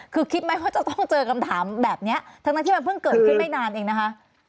คือคิดไหมว่าจะต้องเจอคำถามแบบนี้ทั้งนั้นที่มันเพิ่งเกิดขึ้นไม่นานเองนะคะ